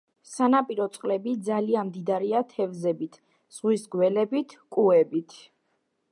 სანაპირო წყლები ძალიან მდიდარია თევზებით, ზღვის გველებით, კუებით.